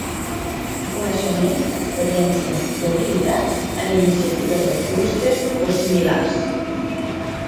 Coneixement, experiència i habilitats en iniciatives de clúster o similars.